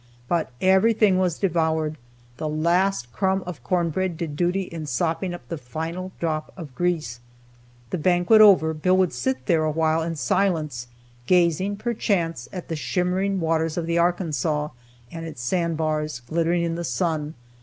But everything was devoured, the last crumb of cornbread did duty in sopping up the final drop of grease. The banquet over, Bill would sit there a while in silence, gazing, perchance, at the shimmering waters of the Arkansas, and its sandbars, glittering in the sun.